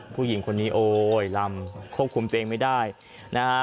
ผู้หญิงคนนี้โอ้ยลำควบคุมตัวเองไม่ได้นะฮะ